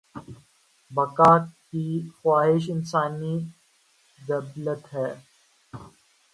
بقا کی خواہش انسانی جبلت ہے۔